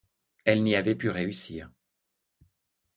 Elle n'y avait pu réussir.